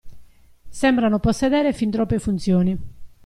Sembrano possedere fin troppe funzioni.